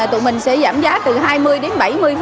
tụi mình sẽ giảm giá từ hai mươi đến bảy mươi